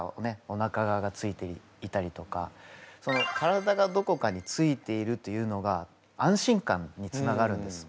おなか側がついていたりとか体がどこかについているというのが安心感につながるんです。